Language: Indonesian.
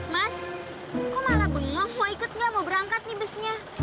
mas kok malah bengong mau ikut nggak mau berangkat nih busnya